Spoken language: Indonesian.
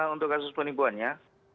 untuk kasus penipuannya